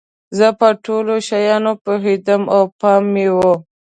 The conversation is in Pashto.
زه په ټولو شیانو پوهیدم او پام مې و.